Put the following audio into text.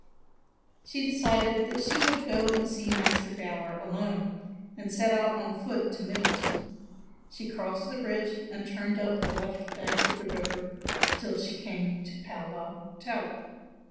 She decided that she would go and see Master Gower alone and set out on foot to Middleton. She crossed the bridge and turned up to the left bank of the river till she came to Pawlaw Tower.